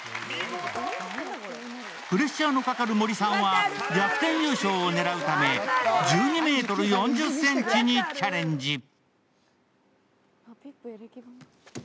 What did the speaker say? プレッシャーのかかる森さんは逆転優勝を狙うため１２ｍ４０ｃｍにチャレンジ。